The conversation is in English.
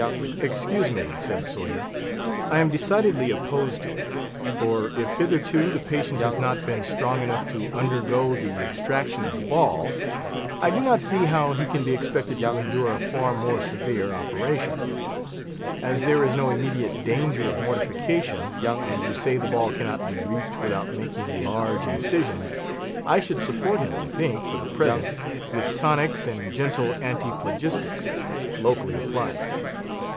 "Excuse me," said Sawyer, "I am decidedly opposed to it; for if hitherto the patient has not been strong enough to undergo the extraction of the ball, I do not see how he can be expected to endure a far more severe operation. As there is no immediate danger of mortification, and you say the ball cannot be reached without making large incisions, I should support him, I think, for the present, with tonics, and gentle antiphlogistics, locally applied.